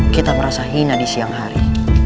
kita merasa hina di siang hari